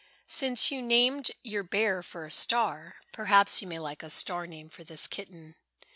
"Since you named your bear for a star, perhaps you may like a star name for this kitten.